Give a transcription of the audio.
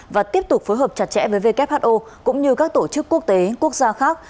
và tiếp tục phối hợp chặt chẽ với who cũng như các tổ chức quốc tế quốc gia khác